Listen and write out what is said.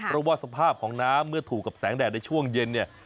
เพราะว่าสภาพของน้ำเมื่อถูกกับแสงแดดในช่วงเย็นเนี่ย